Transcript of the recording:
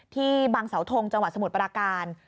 ที่บางเสาทงจังหวัดสมุทรปราการ